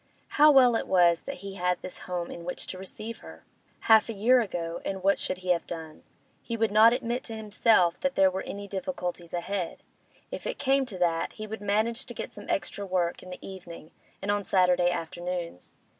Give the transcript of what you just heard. How well it was that he had this home in which to receive her! Half a year ago, and what should he have done? He would not admit to himself that there were any difficulties ahead; if it came to that, he would manage to get some extra work in the evening and on Saturday afternoons.